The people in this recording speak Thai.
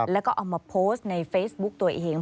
แล้วก็เอามาโพสต์ในเฟซบุ๊กตัวเอง